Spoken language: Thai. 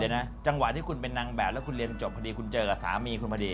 เดี๋ยวนะจังหวะที่คุณเป็นนางแบบแล้วคุณเรียนจบพอดีคุณเจอกับสามีคุณพอดี